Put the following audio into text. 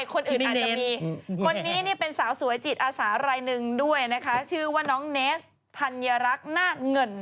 คนนี้เป็นสาวสวยจิตอาสารายหนึ่งด้วยนะคะชื่อว่าน้องเนสธัญรักษ์หน้าเงิน